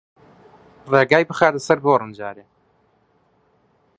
ڕێگای بخاتە سەر گۆڕم جارێ